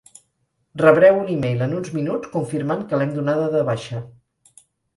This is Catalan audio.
Rebreu un email en uns minuts confirmant que l'hem donada de baixa.